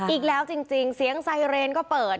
อีกแล้วจริงเสียงไซเรนก็เปิด